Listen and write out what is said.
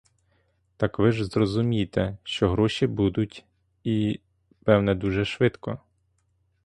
Так ви ж зрозумійте, що гроші будуть і, певне, дуже швидко.